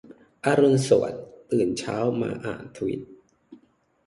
อรุณสวัสดิ์ ตื่นเช้ามาอ่านทวิต